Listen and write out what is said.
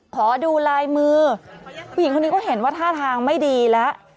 ขอดูลายมือผู้หญิงคนนี้ก็เห็นว่าท่าทางไม่ดีแล้ว